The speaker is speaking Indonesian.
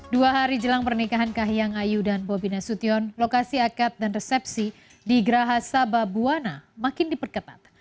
dua hari jelang pernikahan kahiyang ayu dan bobi nasution lokasi akad dan resepsi di geraha sababwana makin diperketat